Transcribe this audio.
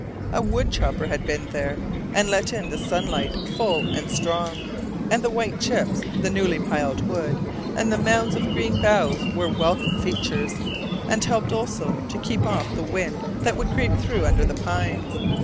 A wood chopper had been there, and let in the sunlight full and strong; and the white chips, the newly piled wood, and the mounds of green boughs, were welcome features, and helped also to keep off the wind that would creep through under the pines.